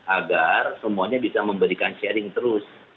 agar semuanya bisa memberikan sharing terus